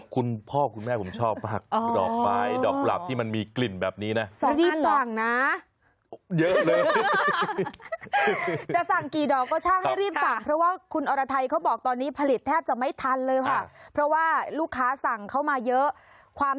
คุณพ่อคุณแม่ผมชอบมากดอกไม้ดอกกุหลับที่มันมีกลิ่นแบบนี้นะ